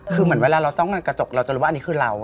คือเหมือนเวลาเราจ้องกระจกเราจะรู้ว่าอันนี้คือเรา